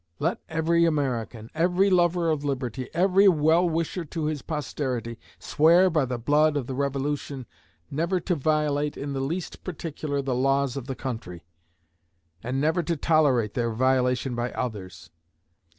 Let every American, every lover of liberty, every well wisher to his posterity, swear by the blood of the Revolution, never to violate in the least particular the laws of the country, and never to tolerate their violation by others.